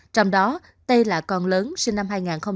trong đó tê là con lớn sinh năm hai nghìn sáu